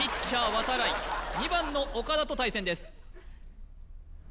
渡会２番の岡田と対戦です